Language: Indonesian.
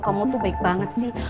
kamu tuh baik banget sih